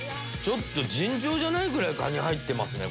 尋常じゃないぐらいカニ入ってますね。